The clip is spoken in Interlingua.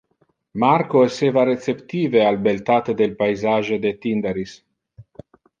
Marco esseva receptive al beltate del paisage de Tyndaris.